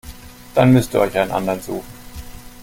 Dann müsst ihr euch einen anderen suchen.